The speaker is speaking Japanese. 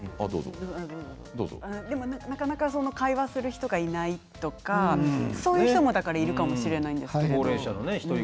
でも会話する人がいないとかそういう人もいるかもしれないですけど。